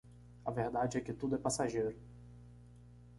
A verdade é que tudo é passageiro.